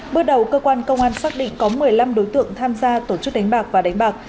bước đầu cơ quan công an xác định có một mươi năm đối tượng tham gia tổ chức đánh bạc và đánh bạc